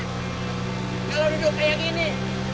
kalau duduk kayak gini